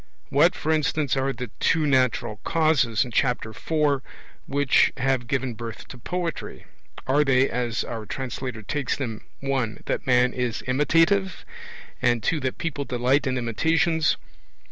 What, for instance, are the 'two natural causes' in Chapter IV which have given birth to Poetry? Are they, as our translator takes them, (1) that man is imitative, and (2) that people delight in imitations?